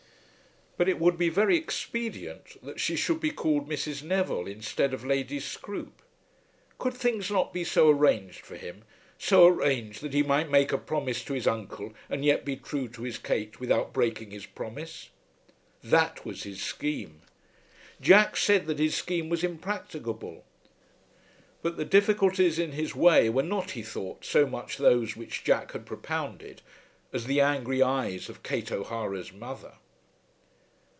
But it would be very expedient that she should be called Mrs. Neville instead of Lady Scroope. Could things not be so arranged for him; so arranged that he might make a promise to his uncle, and yet be true to his Kate without breaking his promise? That was his scheme. Jack said that his scheme was impracticable. But the difficulties in his way were not, he thought, so much those which Jack had propounded as the angry eyes of Kate O'Hara's mother.